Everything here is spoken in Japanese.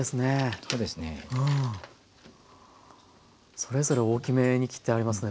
それぞれ大きめに切ってありますね。